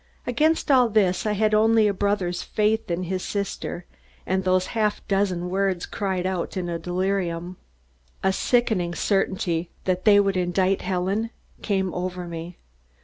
Against all this, I had only a brother's faith in his sister and those half dozen words cried out in a delirium. A sickening certainty that they would indict Helen came over me.